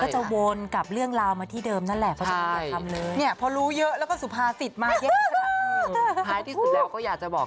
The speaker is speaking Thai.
ท้ายที่สุดแล้วก็อยากจะบอก